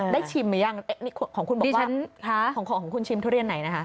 ชิมหรือยังนี่ของคุณบอกว่าของของคุณชิมทุเรียนไหนนะคะ